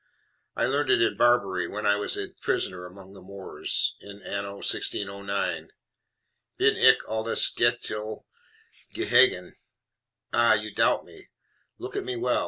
I learned it in Barbary, when I was a prisoner among the Moors. In anno 1609, bin ick aldus ghekledt gheghaen. Ha! you doubt me: look at me well.